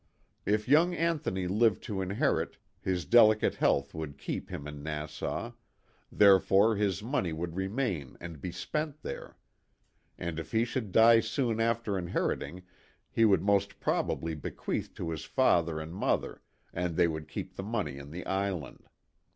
If young Anthony lived to inherit, his delicate health would keep him in Nassau therefore his money would remain and be spent there. And if he should die soon after inheriting he would mos.t probably bequeath to his father and mother and they would keep the money in the island.